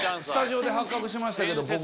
スタジオで発覚しましたけど。